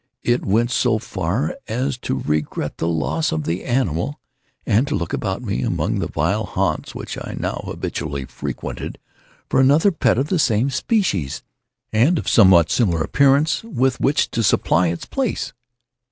I went so far as to regret the loss of the animal, and to look about me, among the vile haunts which I now habitually frequented, for another pet of the same species, and of somewhat similar appearance, with which to supply its place.